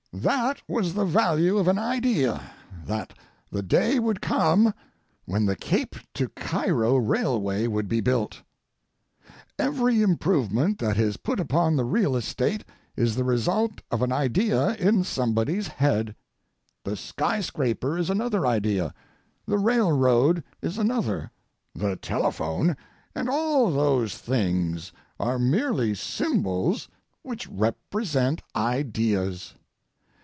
That was the value of an idea that the day would come when the Cape to Cairo Railway would be built. Every improvement that is put upon the real estate is the result of an idea in somebody's head. The skyscraper is another idea; the railroad is another; the telephone and all those things are merely symbols which represent ideas.